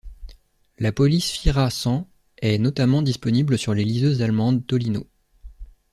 La police Fira Sans est notamment disponible sur les liseuses allemandes Tolino.